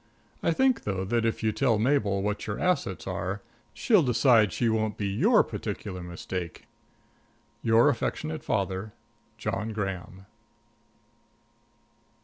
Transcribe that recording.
I think, though, that if you tell Mabel what your assets are, she'll decide she won't be your particular mistake. Your affectionate father, JOHN GRAHAM.